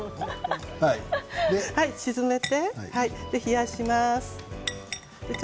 沈めて冷やします。